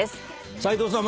斎藤さん